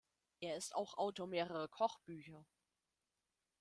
Er ist auch Autor mehrerer Kochbücher.